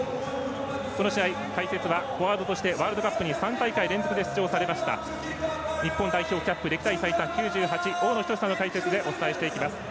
この試合解説はフォワードとしてワールドカップに３大会連続で出場されました日本歴代キャップ歴代最多９８、大野均さんの解説でお伝えしていきます。